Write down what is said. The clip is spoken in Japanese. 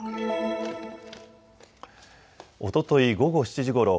おととい午後７時ごろ